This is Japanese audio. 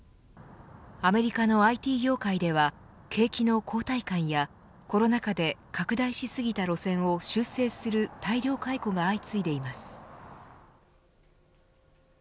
アメリカのＩＴ業界では景気の後退感やコロナ禍で拡大しすぎた路線を修正する大量解雇が相次いでいます。